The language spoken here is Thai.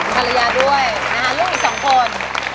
ภรรยาด้วยลูกอีกสองคน